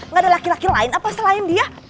nggak ada laki laki lain apa selain dia